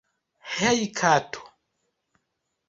Hej kato